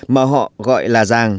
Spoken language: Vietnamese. mà họ gọi là giàng